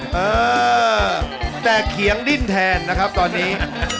เออแต่เขียงดิ้นแทนนะครับตอนนี้